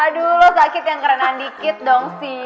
aduh lo sakit yang kerenan dikit dong sih